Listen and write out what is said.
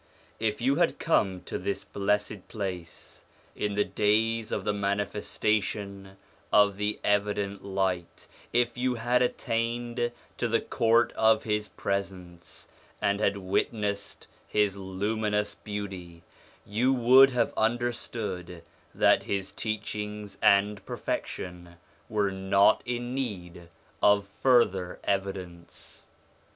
If you had come to this blessed place in the days of the manifestation of the evident Light, 1 if you had attained to the court of his presence, and had witnessed his luminous beauty, you would have understood that his teachings and perfection were not in need of further evidence.